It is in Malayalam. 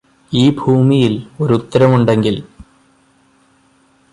ഈ ഭൂമിയില് ഒരുത്തരമുണ്ടെങ്കില്